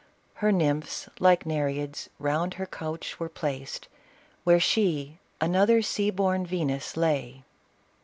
Her tiymphs, like Nereids, round her couch were placed, Where she, another sea born Venus, lay.